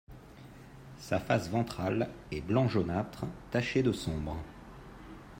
Sa face ventrale est blanc jaunâtre taché de sombre.